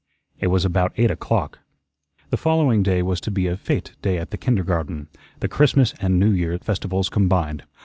It was about eight o'clock. The following day was to be a fete day at the kindergarten, the Christmas and New Year festivals combined.